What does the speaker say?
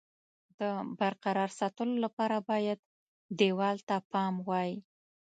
د برقرار ساتلو لپاره باید دېوال ته پام وای.